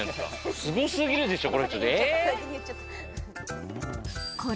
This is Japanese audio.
すごすぎるでしょ、これ。